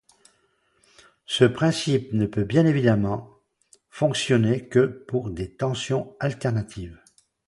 Ce principe ne peut bien évidemment fonctionner que pour des tensions alternatives.